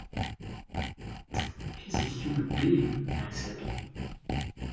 He’s a human being,’ I said.